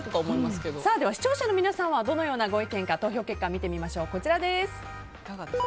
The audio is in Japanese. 視聴者の皆さんはどのようなご意見か投票結果見てみましょう。